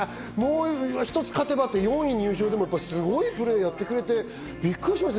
もう１つ勝てば４位入賞で、すごいプレーやってくれて、びっくりしました。